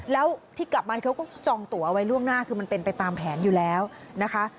แล้วที่กลับมาเขาก็จองตัวไว้ล่วงหน้าคือมันเป็นไปตามแผนอยู่แล้วนะคะ